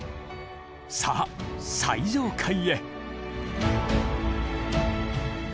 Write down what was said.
さあ最上階へ。